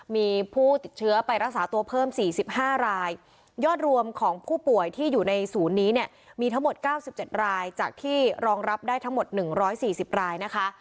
มีผู้ติดเชื้อไปรักษาตัวเพิ่ม๔๕รายยอดรวมของผู้ป่วยที่อยู่ในศูนย์นี้เนี่ยมีทั้งหมด๙๗รายจากที่รองรับได้ทั้งหมด๑๔๐รายนะคะ